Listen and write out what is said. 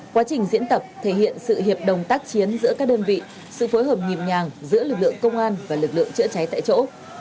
quá trình diễn tập thể hiện sự hiệp đồng tác chiến giữa các đơn vị sự phối hợp nhịp nhàng giữa lực lượng công an và lực lượng chữa cháy tại chỗ